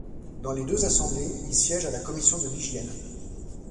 Dans les deux assemblées, il siège à la commission de l'hygiène.